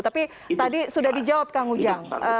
tapi tadi sudah dijawab kang ujang